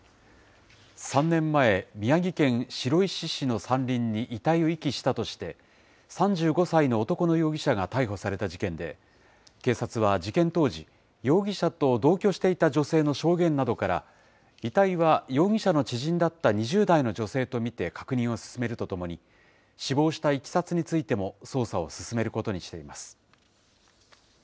３年前、宮城県白石市の山林に遺体を遺棄したとして、３５歳の男の容疑者が逮捕された事件で、警察は事件当時、容疑者と同居していた女性の証言などから、遺体は容疑者の知人だった２０代の女性と見て確認を進めるとともに、死亡したいきさつについても捜査を進めることにしています。